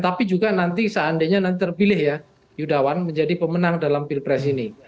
tapi juga nanti seandainya nanti terpilih ya yudawan menjadi pemenang dalam pilpres ini